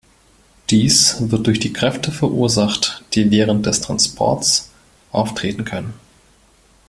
Dies wird durch die Kräfte verursacht, die während des Transports auftreten können.